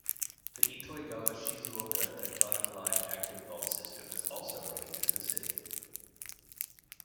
The Itoigawa-Shizuoka Tectonic Line active fault system is also running through the city.